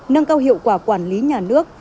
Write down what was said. nâng cao hiệu quả quản lý nhà nước